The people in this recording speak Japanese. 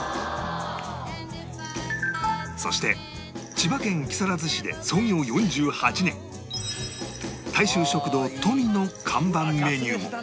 そして千葉県木更津市で創業４８年大衆食堂とみの看板メニューも